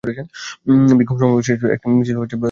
বিক্ষোভ সমাবেশ শেষে একটি মিছিল জামাল খান মোড়ে গিয়ে শেষ হয়।